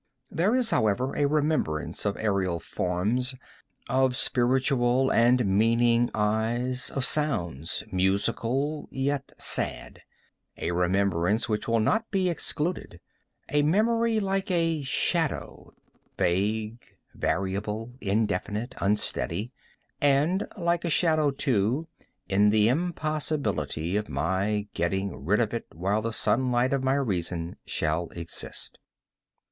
There is, however, a remembrance of aerial forms—of spiritual and meaning eyes—of sounds, musical yet sad—a remembrance which will not be excluded; a memory like a shadow—vague, variable, indefinite, unsteady; and like a shadow, too, in the impossibility of my getting rid of it while the sunlight of my reason shall exist.